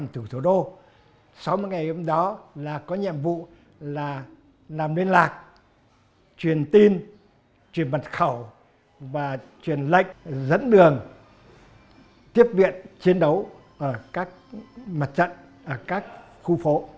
tôi có nhiệm vụ là làm liên lạc truyền tin truyền mật khẩu và truyền lệnh dẫn đường tiếp viện chiến đấu ở các mặt trận ở các khu phố